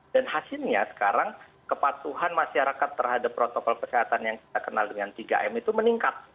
dan hasilnya sekarang kepatuhan masyarakat terhadap protokol kesehatan yang kita kenal dengan tiga m itu meningkat